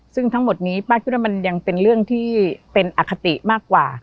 ซึ่งทั้งหมดนี้ป้าคิดว่ามันยังเป็นเรื่องที่เป็นอคติมากกว่า